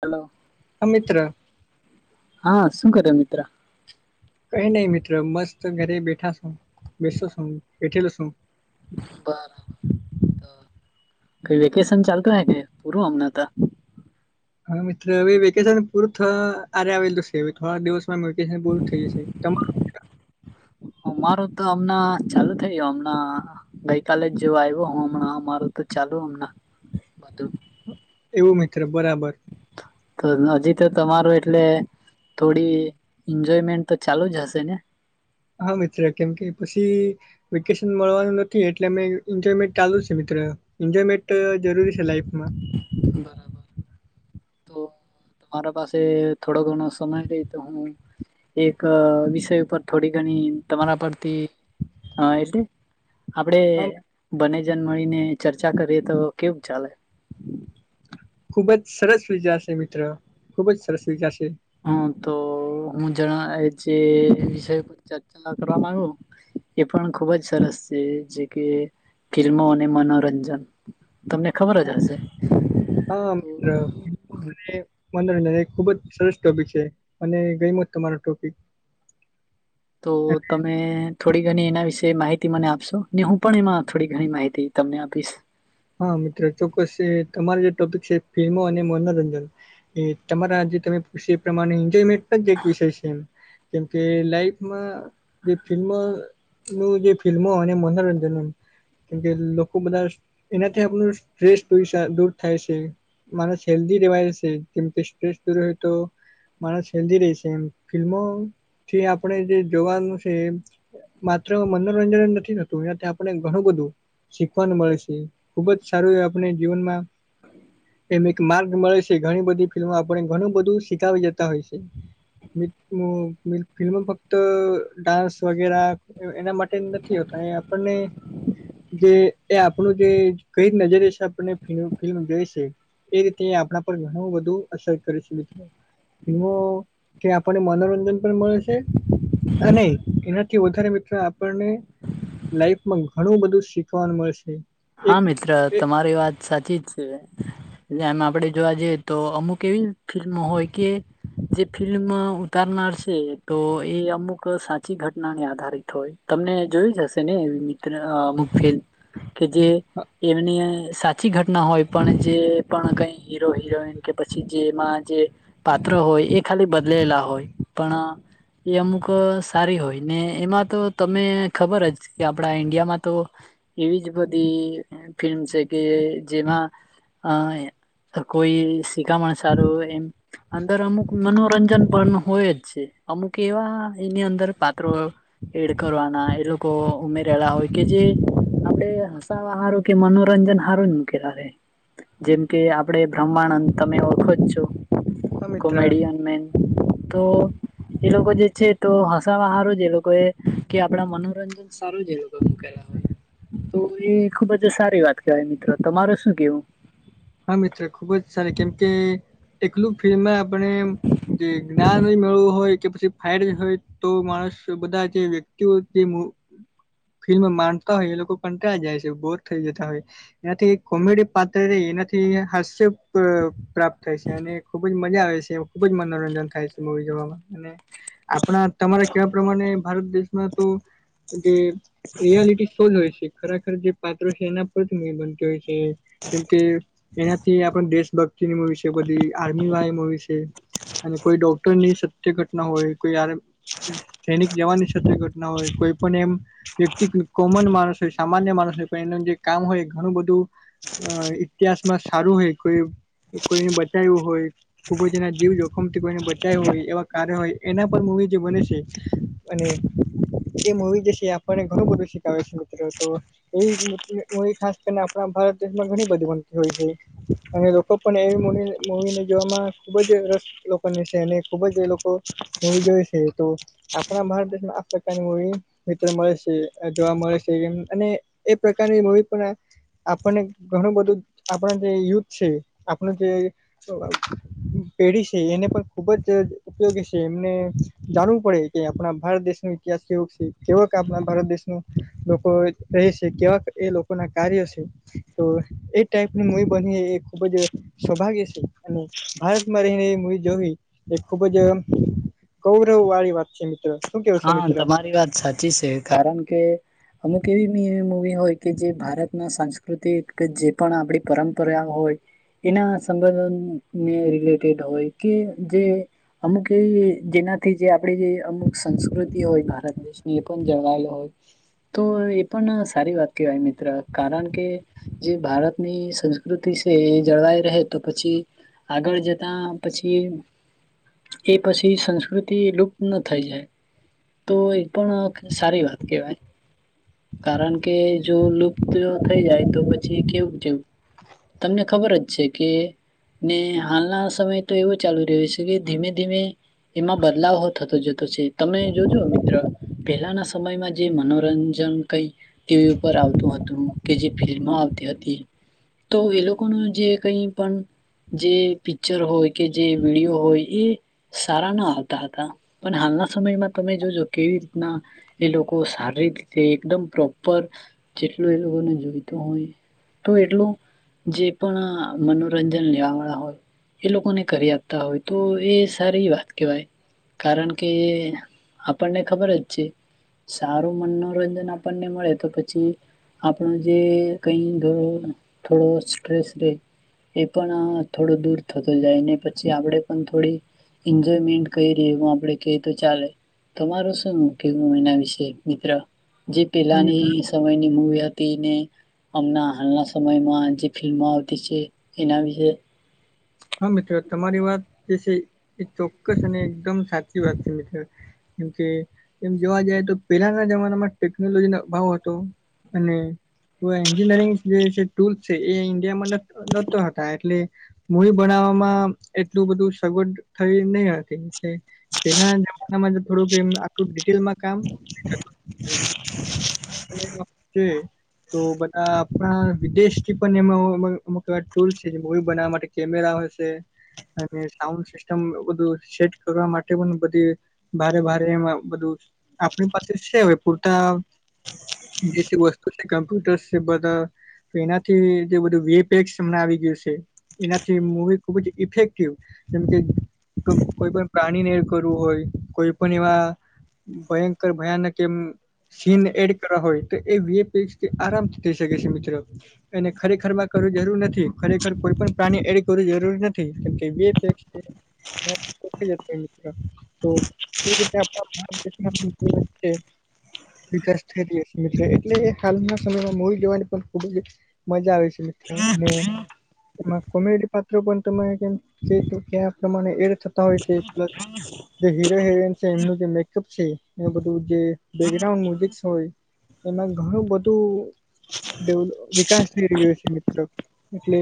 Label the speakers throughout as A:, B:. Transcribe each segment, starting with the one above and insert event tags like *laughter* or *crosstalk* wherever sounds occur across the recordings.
A: હહલો
B: હા મિત્ર
A: હા શું કર્યો મિત્ર?
B: કઈ નહી મિત્ર મસ્ત ઘરે બેઠા છો બેસો છું બેઠેલો છું
A: બરાબર કઈ વેકેશન ચાલતું હે કે પૂરું હમણા તો?
B: હા મિત્ર હવે વેકેશન પૂર થવા આરે આવેલું છે હવે થોડા દિવસ. પુરૂ થઈ જશે તમારૂ.
A: મારું તો હમણા ચાલુ થઇ ગય હમણાં ગઈકાલે જ જોવ આવ્યો હું હમણાં અમારું તો ચાલુ *inaudible*
B: એવું મિત્ર બરાબર.
A: તો હજી તો તમારે એટલે થોડી એન્જોયમેન્ટ તો ચાલુ જ હશે ને.
B: હા મિત્ર કેમ કે પછી વેકેશન મળવાનું નથી એટલે અમે એન્જોયમેન્ટ ચાલુ છે મિત્રો. એન્જોયમેન્ટ જરૂરી છે લાઈફમાં.
A: બરાબર તો મારા પાસે થોડો ઘણો સમય રહે તો હું એક વિષય ઉપર થોડી ઘણી તમારા પરથી એટલે આપડે
B: આમ
A: બને જણ મળીને ચર્ચા કરીએ તો કેવું ચાલે.
B: ખુબ જ સરસ વિચાર છે મિત્રો ખુબ જ સરસ વિચાર છે.
A: હા તો હું જણા એ જે વિષ ચર્ચા ના કરવા માંગુ. એ પણ ખુબ જ સરસ છે જે કે ફિલ્મો અને મનોરંજન તમને ખબર જ હશે.
B: હા
A: તો
B: મિત્ર. અને મનોરંજન એ ખુબ જ સરસ ટોપિક છે અને ગ્યેમો તમારો ટોપિક.
A: તો તમે થોડી ઘણી એના વિશે માહિતી મને આપશો? ને હું પણ એમાં થોડી ઘણી માહિતી તમને આપીશ.
B: હા મિત્રો ચોક્કસ તમારી જે ટોપિક છે ફિલ્મો અને મનોરંજન એ તમારા આજે તમે એ પ્રમાણે એન્જોયમેન્ટ એક વિષય છે એમ કેમકે લાઈફમાં જે ફિલ્મ નું જે ફિલ્મો અને મનોરંજન કેમકે લોકો બધા એનાથી આપણું સ્ટ્રેસ દૂર થાય છે. માણસ હેલ્દી રેવાય છે કેમ સ્ટ્રેસ દૂર હોય તો માણસ હેલ્ધી રહી છે એમ ફિલ્મોથી આપણે જે જોવાનું છે. માત્ર મનોરંજન નથી થતું આપને ઘણું બધું શીખવાનું મળે છે. ખુબ જ સારું એ આપણે જીવનમાં એમ એક માર્ગ મળે છે ઘણી બધી ફિલ્મો આપણને ઘણું બધું શીખાવી જતા હોય છે. મ ફિલ્મ ફક્ત ડાન્સ વગેરા એના માટે નથી હોતા એ આપણને જે એ આપણું જે કઈ નજરેશે આપણને ફિલ્મ જોઈશે એ રીતે આપણા પર ઘણું બધુ અસર કરે છે. ફિલ્મો કે આપણને મનોરંજન પણ મળે છે. નહી એનાથી વધારે મિત્રો આપણને લાઈફમાં ઘણું બધું શીખવાનું મળશે.
A: હા
B: એક
A: મિત્ર
B: એ
A: તમારી વાત સાચી જ છે એટ એમ આપડે જોવા જઈએ તો અમુક એવી ફિલ્મ હોય કે જે ફિલ્મમાં ઉતારનાર છે તો એ અમુક સાચી ઘટનાને આધારિત હોય તમને જોઈ જશે ને એવી અમુક ફાઇનલ મુ કે જે એમની અંદર સાચી સાછી ઘટના હોય પણ જે પણ કઈ હીરો હિરોઈન કે પછી જેમાં જે પાત્ર હોય એ ખાલી બદલેલા હોય પણ એ અમુક સારી હોય ને એમાં તો તમે ખબર જ કે આપડા ઈન્ડિયામાં તો એવી જ બધી *inaudible* ફિલ્મ છે કે જેમાં અહ કોઈ *unintelligible* સારું એમ, અંદર અમુક મનોરંજન પણ હોય જ છે. અમુક એવા એની અંદર પાત્રો એડ કરવાના એ લોકો ઉમેર *unintelligible* હોય કે જે આપણે આ *unintelligible* હારું કે મનોરંજન હારું જ મૂકેલા રહે. જેમ કે આપડે ભ્રમાનંદ, તમેય ઓળખો જ છો,
B: હા મિત્ર
A: કોમેડિયન મેન. તો એ લોકો જે છે તો હસા બહારો જ એ લોકો એ, કે આપડા મનોરંજન સારો જેવઈ મુકલાય. તો એ ખુબ જ સારી વાત કહેવાય મિત્રો તમારે શું કેવું?
B: હા મિત્ર ખુબ જ સારી કેમ કે એકલું ફિલ્મ આપને જે જ્ઞાન મેળવું હોય કે પછી ફાયર હોય તો માણસ બધા જે વ્યક્તિઓ જે ફિલ્મ ડતા હોય એ લોકો પણ ત્યાં જાય છે બોર થઈ જતા હોય. એનાથી કોમેડી પાત્ર એ થી હાસ્ય પ્રાપ્ત થાય છે અને ખુબ જ મજા આવે છે. ખુબ જ મનોરંજન થાય છે મવી જોવામાં, અને આપણા તમારે કેવા પ્રમાણે ભારત દેશમાં તો જે રિયાલિટી જ હોય છે ખરાખર જે પાત્રો છે એના પરથી મે બનત હોય છે, જેમ કે એનાથી આપણે દેશભક્તિ ની મુવી છે બધી આર્મી વાય મવી છે, અને કોઈ ડોક્ટર ની સત્ય ઘટના હોય કોઈ સૈનિક જવાનની સત્ય ઘટના હોય કોઈ પણ એમ. વ્યક્તિ કોમન માણસ હોય સામાન્ય માણસ હોય પણ એનું જે કામ હોય, ઘણું બધું અ ઇતિહાસ માં સારું હોય કોઈ કોઈને બચાવું હોય. ખૂબ જ એના જીવ જોખમ થી કોઈને બચાય હોય એવા કાર્ય હોય એના પર મૂવી જે બને છે. અને એ મૂવી જે છે આપણને ઘણું બધું શીખવે છે મિત્રો તો. એ ખાસ કરીને આપણા ભારત દેશમાં ઘણી બધી બનતી હોય છે. અને લોકો પણ એવી મવીને જોવામાં ખુબ જ રસ લોકો ને છે અને ખુબ જ એ લોકો મૂવી જોય છે તો આપણા ભારત દેશમાં આફ્રિકાની હો મિત્ર મળે છે જોવા મળે છે અને એ પ્રકારની મમ્મી પણ. આપણને ઘણું બધું આપણા જે યુથ છે આપણું જે *inaudible* પેઢી છે એને પણ ખુબ જ ઉપયોગી છે એમને જાણવું પડે કે આપણા ભારત દેશનો ઇતિહાસ કેવો છે કેવ કે આપણા ભારત દેશનું લોકો રહે છે કેવા એ લોકો ના કાર્ય છે તો એ ટાઇપ ની મુવી બની એ ખૂબ જ સૌભાગ્ય છે અને ભારતમાં રહીને એ મૂવી જોવી એ ખુબ જ ગૌરવ વાળી વાત છે મિત્ર શું કેવું છો
A: હા
B: મિત્ર
A: તમારી વાત સાચી શે કારણ કે અમુક એવી બી મુૂવી હોય કે જે ભારતના સાંસ્કૃતિક જે પણ આપણી પરંપરા હોય એના સંબંધોને રિલેટેડ હોય કે જે અમુક એ જેનાથી જે આપે જે અમુક સંસ્ પ્રકૃતિ હોય ભારત દેશની એ પણ જળવાય હોય તો એ પણ સારી વાત કહેવાય મિત્ર કારણ કે જે ભારતની સંસ્કૃતિ શે એ જળવાઈ રહે તો પછી આગળ જતા પછી એ પછી સંસ્કૃતિ લુપ્ત ન થઈ જાય તો એ પણ સારી વાત કેહેવાય કારણ કે જો લુપ્ત થઈ જાય તો પછી કેવું કેવું તમને ખબર જ છે કે ને હાલના સમય તો એવું ચાલુ રહ્યું છે કે ધીમે ધીમે એમાં બદલાવ હો થતો જતો છે તમે જોજો મિત્ર પેલાના સમયમાં જે મનોરંજન કઈ ટીવી ઉપર આવતું હતું કે જે ફિલ્મ આવતી હતી તો એ લોકો નો જે કઈ પણ જે પિક્ચર હોય કે જે વિડીયો હોય ઈ સારા ના આવતા હતા. પણ હાલના સમયમાં તમે જોજો કેવી રીતના એ લોકો સારી રીતે એકદમ પ્રોપર જેટલું એ લોકોને જોઈતું હોય તો એટલું જે પણ આ મનો રંજન લેવા વાળા હોય, એ લોકોને કરી આપતા હોય, તો એ સારી વાત કહેવાય. કારણ કે આપણને ખબર જ છે સારું મનોરંજન આપણને મળે તો પછી આપણો જે કંઈ ઘણો થોડો સ્ટ્રેસ રેય એ પણ આ થોડો દૂર થતો જાય ને પછી આપણેે પણ થોડી એન્જોયમેન્ટ કંઈ રહી એવું આપડે કહી તો ચાલે. તમારું શું *unintelligible* એના વિશે મિત્ર? જે
B: હા મિત્ર
A: પહેલાની સમયની મૂવી હતી ઈ ને, અમના હાલના સ સમયમાં જે ફિલ્મો આવતી છે એના વિશેે?
B: હા મિત્ર. તમારી વાત જે છે એ ચોક્કસ અને એકદમ સાચી વાત છે મિત્ર. કેમ કે એમ જોવા જાય તો પેલાના જમાનામાં ટેકનોલોજીનો અભાવ હતો અને કોઈ એન્જિનિયરિંગ જે છે ટૂલ્સ છે એ ઇન્ડિયામાં નત નહોતા હતા એટલે મૂવી બનાવવામાં એટલું બધું સગવડ થઈ નહીં હતી એટલે પહેલાના જમાનામાં જે થોડુંક એમ આટલું ડિટેલમાં કામ કે તો બધા આપણા વિદેશથી પણ એમાં અમુલ અમુક એવા ટુલ છે જે મૂવી બનાવવા માટે કેમેરા હશે, અને સાઉન્ડ સિસ્ટમ બધું સેટ કરવા માટે પણ બધી ભારે-ભારે એમાં બધું આપણી પાસે છે હવે પૂરતા. જે થી વસ્તુ છે કમ્પ્યુટર જે બધા એનાથી જે બધું વીપેક્ અમના આવી ગયું છે એનાથી મૂવી ખુબ જ ઇફેક્ટિવ જેમ કે કોઈ પણ પ્રાણીને એ કરવું હોય કોઈ પણ એમાં ભયંકર ભયાનક એમ સીન એડ કરવા હોય તો એ વીપેક્ષ થી આરામથી થઈ શકે છે મિત્ર એને ખરેખર માં કરવું જરૂર નથી ખરેખર કોઈ પણ પ્રાણી એડ કરવું જરૂર નથી કેમકે વિપેક્ષ છે હ કો જ મિત્ર તો એ રીતે આપ ભારતે દેશમા *unintelligible* છે વિકાસ થઈ રહિયો છે મિત્ર એટલે એ હાલના સમયમાં મૂવી જોવાની પણ ખુબ જ મજા આવે છે *unintelligible* એમાં કોમેડી પાત્રો પણ તમે કેમ ક્યા પ્રમાણે એડ થતા હોય છે પ્લસ જે હીરો હિરોઈન છે એમનું જે મેકઅપ છે એ બધું જે બેકગ્રાઉન્ડ મ્યુઝિક હોય એમાં ઘણું બધું દે વિકાસ થઈ રહ્યો છે મિત્ર એટલે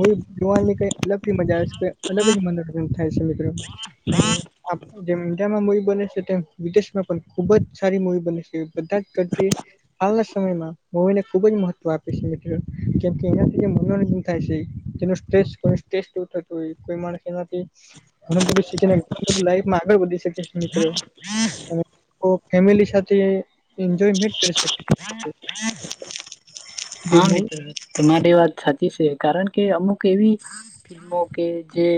B: હું એ જોવાનની કઈ અલગ જ મજા આવે છે અલગ જ મનોરંજન થાય છે મી *unintelligible* અને આખુ જેમ ઈન્ડિયામાં મવી બને છે તેમ વિદેશમાં પણ ખુબ જ સારી મવી બને છે બઘા કન્ટ્રી હાલના સમયમાં મવીને ખુબ જ મહત્વ આપે છે મિત્ર જેમકે એનાથી જે મનોરંજન થાય છે જે નો સ્ટ્રેસ કો સ્ટ્રેસ દૂર થતું હોય કોઈ માણસ એમાથી ઘણું બધું શીખે ને ઘણું બધું લાઈફમાં આગળ વધી શકે મિત્ર અને કોઈ ફેમિલી સાથે એન્જોયમેન્ટ કરી શકે છે જે
A: હા
B: મૂવી
A: મિત્ર તમારી વાત સાચી સે. કારણ કે અમુક એવી *inaudible* જે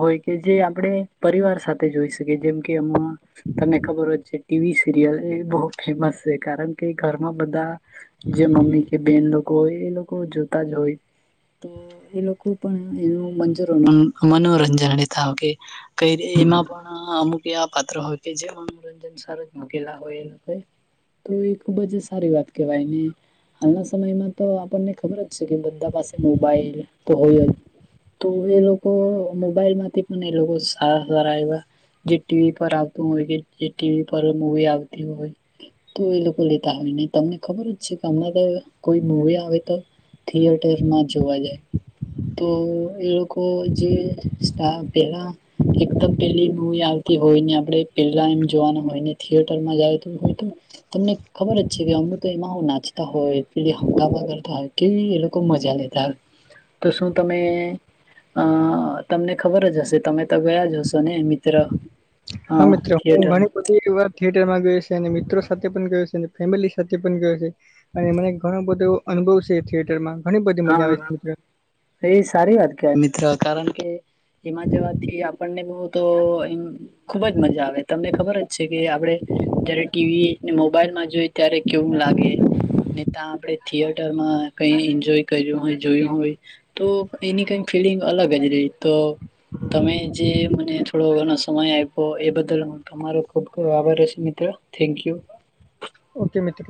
A: હોય કે જે આપણે પરિવાર સાથે જોઈ શકીએ, જેમ કે એમાં તમને ખબર હોય છે ટી વી સિરિયલ એ બહુ ફેમસ છે, કારણ કે ઘરમાં બધા જે મમ્મી કે બહેન લોકો હોય એ લોકો જોતા જ હોય. તો એ લોકો પણ એનું મંજોરનર મનોરંજન *unintelligible* કંઈરી એમાં પણ અમુક એવા પાત્ર હોય કે જે *inaudible* *inaudible* તો ઈ ખુબ જ સારી વાત કેવાયને હાલના સમયમાં તો આપણને ખબર જ છે કે બધા પાસે મોબાઈલ તો હોય જ. તો એ લોકો મોબાઈલ માંથી પણ એ લોકો સારા-સારા એવા જે ટી વી પર આવતું હોય કે જે ટી વી પર મુવી આવતી હોય તો એ લોક *unintelligible* હોય, ને તમને ખબર જ છે કે હમણાં તો કાંઈ કોઈ મુવી આવે તો થિયેટર માં જોવા જાય. તો એ લોકો જે *unintelligible* પહેલા એકદમ પેલી મૂવી આવતી હોય ને આપણે પેલા એમ જોવાના હોય ને થિયેટર માં જાય તો હોય તો તમને ખબર જ છે કે અમુકો એમાં નાચતા હોય, પહેલી હંગમાા કરતા હોય, કેવી એ લોકો મજા લેતા હોય. તો શું તમે અહ તમને ખબર જ હશે તમે તો ગયા જ હશો ને મિત્ર!
B: હા મિત્ર. હું ઘણી બધ *unintelligible* વાર થિયેટરમાં ગયો સે, અને મિત્રો સાથે પણ ગયો સે, અને ફેમિલી સાથે પણ ગયો સે. અને મને ઘણો બધો એવો અનુભવ સે થિયેટર માં. ઘણી બધી મજા આવે છે
A: હા
B: મિત્ર.
A: એ સારી વાત કહેવાય મિત્ર, કારણ કે એમાં જવાથી આપણને બહું તો એમ ખુબ જ મજા આવે તમને ખબર જ છે કે આપડે જયારે ટી વી ને મોબાઈલમાં જોઈ ત્યારે કેવું લાગેને ને ત્યાં આપે થિયટર માં કઈ એન્જોય કર્યું હોય જોયું હોય તો એની કઈ ફિલિંગ અલગ જ રહી તો તમે જે મને થોડો ઘો સમય આપો એ બદલ તમારો ખૂબ ખૂબ આભાર રહેશે મિત્ર, થેન્ક યુ.
B: ઓકે મિત્ર.